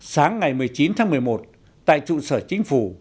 sáng ngày một mươi chín tháng một mươi một tại trụ sở chính phủ